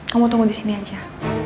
kamu tunggu disini aja